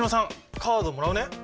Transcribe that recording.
カードもらうね。